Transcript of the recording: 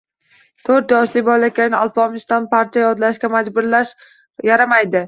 To‘rt yoshli bolakayni “Alpomish”dan parcha yodlashga majburlash yaramaydi.